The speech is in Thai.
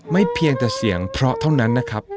เพียงแต่เสียงเพราะเท่านั้นนะครับ